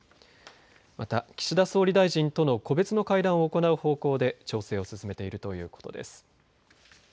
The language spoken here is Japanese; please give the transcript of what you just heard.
また、岸田総理大臣と個別の会談を行う方向で調整を進めているということです。